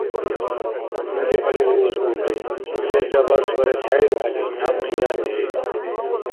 Ну дебали урузкӀулри, селра барсбарес хӀейрухӀели наб къияннири.